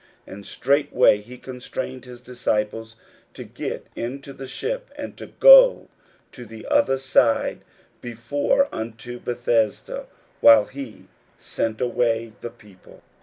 41:006:045 And straightway he constrained his disciples to get into the ship, and to go to the other side before unto Bethsaida, while he sent away the people.